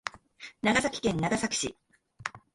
長崎県長崎市